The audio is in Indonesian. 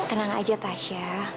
tenang aja tasya